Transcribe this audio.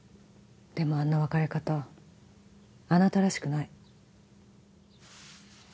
でもあんな別れ方あなたらしくない